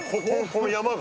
この山が？